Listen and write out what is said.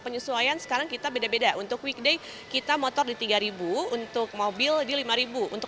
penyesuaian sekarang kita beda beda untuk weekday kita motor di tiga ribu untuk mobil di lima ribu untuk